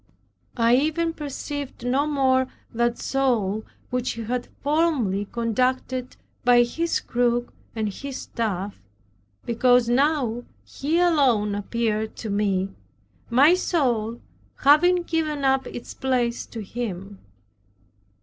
I even perceived no more that soul which He had formerly conducted by His crook and His staff, because now He alone appeared to me, my soul having given up its place to Him.